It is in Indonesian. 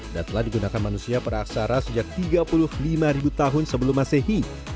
dan telah digunakan manusia para aksara sejak tiga puluh lima tahun sebelum masehi